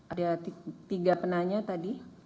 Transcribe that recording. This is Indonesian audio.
ada tiga penanya tadi